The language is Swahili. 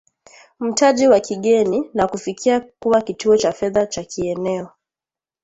mtaji wa kigeni na kufikia kuwa kituo cha fedha cha kieneo